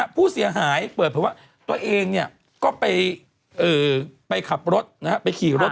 ผู้เสียหายเปิดเผยว่าตัวเองก็ไปขับรถไปขี่รถ